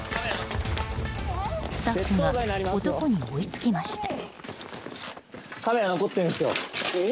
スタッフが男に追いつきました。